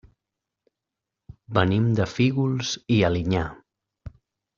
Venim de Fígols i Alinyà.